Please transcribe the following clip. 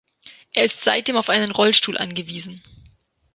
Er ist seitdem auf einen Rollstuhl angewiesen.